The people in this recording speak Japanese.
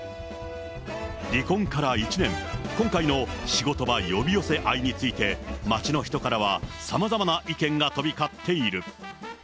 離婚から１年、今回の仕事場呼び寄せ愛について、街の人からはさまざまな意見が飛び交っている。